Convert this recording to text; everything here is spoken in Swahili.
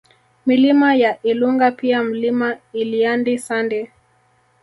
Milima ya Ilunga pia Mlima Ilyandi Sandi